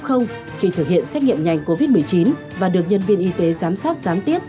khi thực hiện xét nghiệm nhanh covid một mươi chín và được nhân viên y tế giám sát gián tiếp